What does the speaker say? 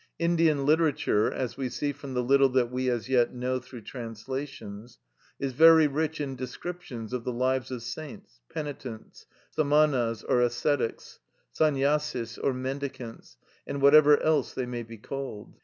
Indian literature, as we see from the little that we as yet know through translations, is very rich in descriptions of the lives of saints, penitents, Samanas or ascetics, Sannyâsis or mendicants, and whatever else they may be called.